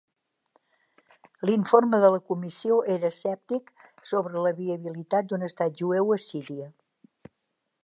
L"informe de la comissió era escèptic sobre la viabilitat d"un estat jueu a Síria.